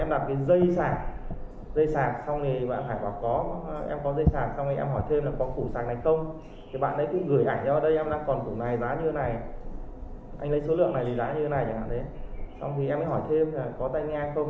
đầu tiên em nhớ không nhầm là em đặt cái dây sạc dây sạc xong thì bạn phải bảo có em có dây sạc xong thì em hỏi thêm là có củ sạc này không